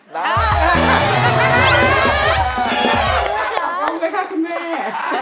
ไปกับคุณแม่